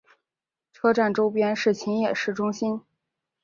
车站周边是秦野市中心。